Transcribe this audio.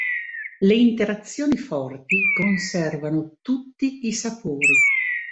Le interazioni forti conservano tutti i sapori.